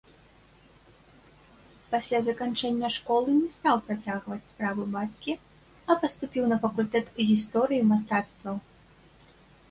Пасля заканчэння школы не стаў працягваць справу бацькі, а паступіў на факультэт гісторыі мастацтваў.